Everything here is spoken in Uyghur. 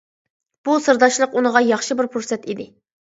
بۇ سىرداشلىق ئۇنىغا ياخشى بىر پۇرسەت ئىدى.